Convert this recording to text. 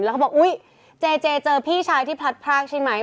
แล้วก็บอกอุ๊ยเจเจเจอพี่ชายที่พลัดพรากใช่ไหม